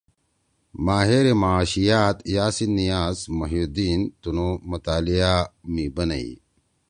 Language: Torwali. ماہر معاشیات یاسین نیاز محی الدین تنُو مطالعہ می بنَئی۔